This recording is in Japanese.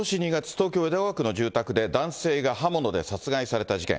東京・江戸川区の住宅で男性が刃物で殺害された事件。